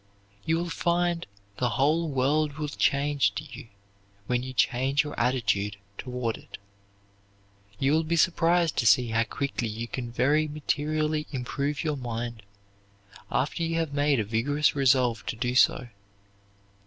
You will find the whole world will change to you when you change your attitude toward it. You will be surprised to see how quickly you can very materially improve your mind after you have made a vigorous resolve to do so.